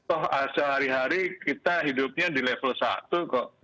oh sehari hari kita hidupnya di level satu kok